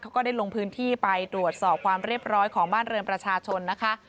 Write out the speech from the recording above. ก็ได้ลงพื้นที่ไปตรวจสอบความเรียบร้อยของบ้านเรือนประชาชนนะคะ